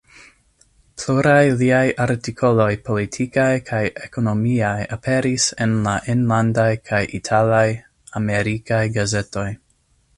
Pluraj liaj artikoloj politikaj kaj ekonomiaj aperis en la enlandaj kaj italaj, amerikaj gazetoj.